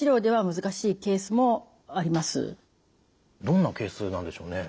どんなケースなんでしょうね？